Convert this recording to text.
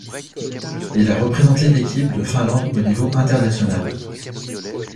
Il a représenté l'équipe de Finlande au niveau international.